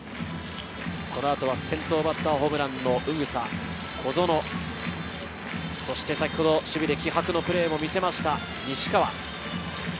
このあとは先頭バッターホームランの宇草、小園、そして先ほど守備で気迫のプレーを見せました、西川。